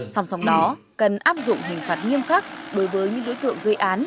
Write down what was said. song song đó cần áp dụng hình phạt nghiêm khắc đối với những đối tượng gây án